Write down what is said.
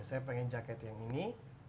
saya pengen jaket yang ini